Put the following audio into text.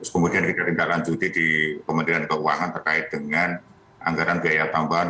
kemudian kita tindak lanjuti di kementerian keuangan terkait dengan anggaran biaya tambahan